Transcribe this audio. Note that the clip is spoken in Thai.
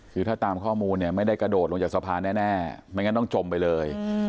คือถ้าตามข้อมูลเนี่ยไม่ได้กระโดดลงจากสะพานแน่ไม่งั้นต้องจมไปเลย